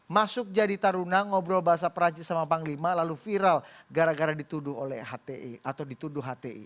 masuk jadi taruna ngobrol bahasa perancis sama panglima lalu viral gara gara dituduh oleh hti atau dituduh hti